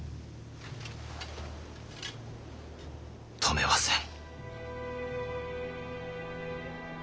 止めはせん。